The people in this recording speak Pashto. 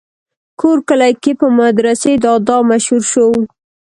کور کلي کښې پۀ مدرسې دادا مشهور شو